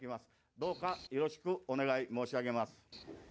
どうかよろしくお願い申し上げます。